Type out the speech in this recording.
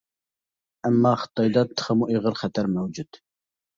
ئەمما خىتايدا تېخىمۇ ئېغىر خەتەر مەۋجۇت.